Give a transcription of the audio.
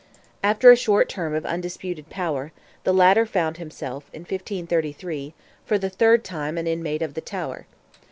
After a short term of undisputed power, the latter found himself, in 1533, for the third time, an inmate of the Tower.